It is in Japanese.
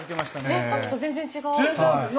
えっさっきと全然違う。